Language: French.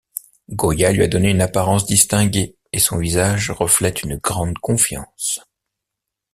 Goya lui a donné une apparence distinguée et son visage reflète une grande confiance.